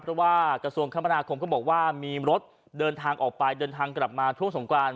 เพราะว่ากระทรวงคมนาคมก็บอกว่ามีรถเดินทางออกไปเดินทางกลับมาช่วงสงกราน